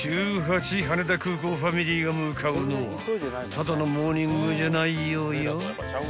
［ただのモーニングじゃないようよ］